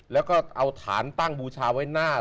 แล้วก็เอาฐานตั้งบูชาไว้หน้า